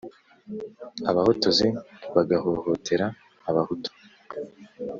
abahotozi bagahohotera abahutu.